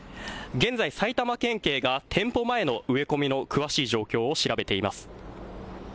現在埼玉県警が店舗前の植え込みの詳しい状況を調べています。